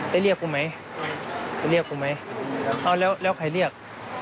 เรียกกูไหมไปเรียกกูไหมเอาแล้วแล้วใครเรียก